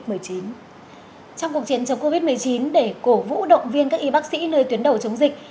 trong cuộc chiến chống covid một mươi chín để cổ vũ động viên các y bác sĩ nơi tuyến đầu chống dịch